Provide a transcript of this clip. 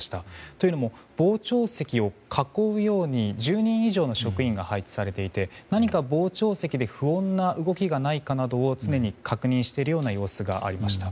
というのも、傍聴席を囲うように１０人以上の職員が配置されていて何か傍聴席で不穏な動きがないかなどを常に確認している様子がありました。